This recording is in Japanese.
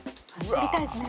取りたいですね。